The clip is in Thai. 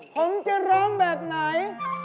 ผมจะร้องแบบไหน